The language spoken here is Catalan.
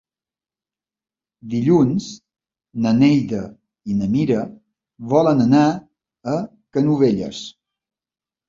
Dilluns na Neida i na Mira volen anar a Canovelles.